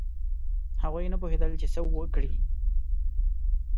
هغوی نه پوهېدل چې څه وکړي.